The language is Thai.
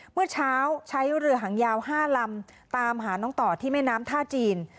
เมื่อเช้าใช้เรือหางยาว๕ลำตามหาน้องต่อที่แม่น้ำท่าจีน